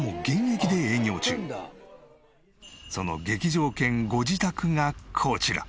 その劇場兼ご自宅がこちら。